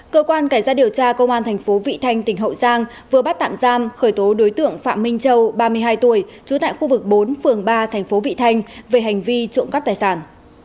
cơ quan cải gia điều tra công an tp hcm tỉnh hậu giang vừa bắt tạm giam khởi tố đối tượng phạm minh châu ba mươi hai tuổi trú tại khu vực bốn phường ba tp hcm về hành vi trộm cắp tài sản